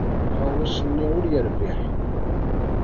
Aɣawas-nni ur yerbiḥ.